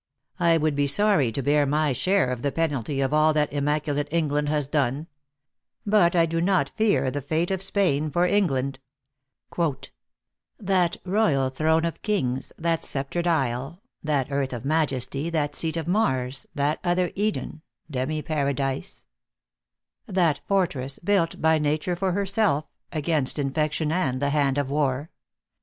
I would be sorry to bear my share of the penalty of all that immaculate England has done. But I do not fear the fate of Spain for England : That royal throne of kings, that sceptred isle, That earth of majesty, that seat of Mars, That other Eden, demi paradise; That fortress, built by nature for herself, Against infection, and the hand of war; THE ACTEESS IN HIGH LIFE.